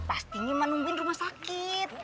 pasti ini mah nungguin rumah sakit